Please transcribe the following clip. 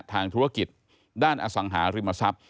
ทางธุรกิจด้านอสังหาริมทรัพย์